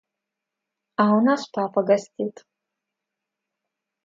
А у нас папа гостит.